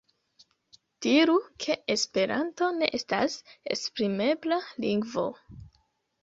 Diru ke esperanto ne estas esprimebla lingvo.